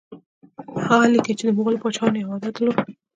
هغه لیکي چې د مغولو پاچایانو یو عادت درلود.